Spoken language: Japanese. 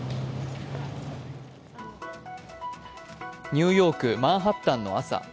ニューヨーク・マンハッタンの朝。